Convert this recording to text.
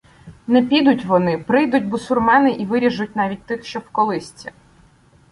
Не підуть вони — прийдуть бусурмени і виріжуть навіть тих, що в колисці.